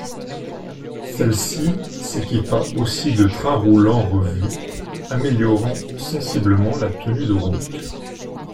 Celle-ci s'équipa aussi de trains roulants revus, améliorant sensiblement la tenue de route.